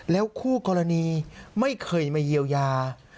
แล้วคู่กรณีไม่เคยมาเยียวยา